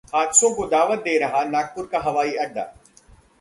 हादसों को दावत दे रहा नागपुर का हवाई अड्डा